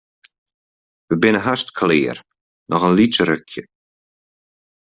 Wy binne hast klear, noch in lyts rukje.